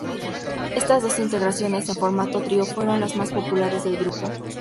Estas dos integraciones en formato trío fueron las más populares del grupo.